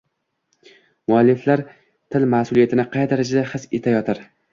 Mualliflar til mas’uliyatini qay darajada his etayotir?